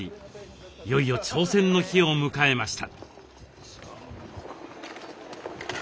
いよいよ挑戦の日を迎えました。